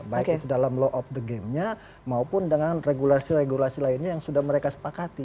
baik itu dalam law of the game nya maupun dengan regulasi regulasi lainnya yang sudah mereka sepakati